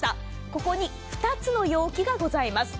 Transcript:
ここに２つの容器がございます。